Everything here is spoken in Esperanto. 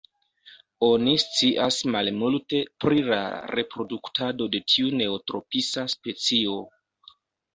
Oni scias malmulte pri la reproduktado de tiu neotropisa specio.